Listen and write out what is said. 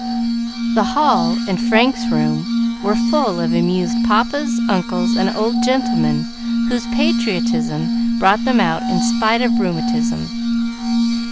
The hall and Frank's room were full of amused papas, uncles, and old gentlemen whose patriotism brought them out in spite of rheumatism.